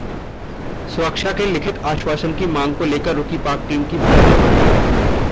सुरक्षा के लिखित आश्वासन की मांग को लेकर रुकी पाक टीम की भारत रवानगी